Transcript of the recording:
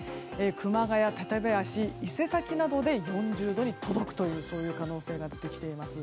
熊谷、館林、伊勢崎などで４０度に届く可能性が出てきています。